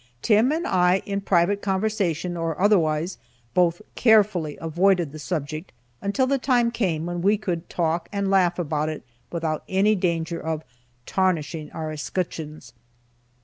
Tim and I in private conversation, or otherwise, both carefully avoided the subject until the time came when we could talk and laugh about it without any danger of "tarnishing our escutcheons."